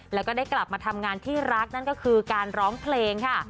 แล้วก็ได้กลับมาทำงานที่รักนั่นก็คือการร้องเพลงค่ะ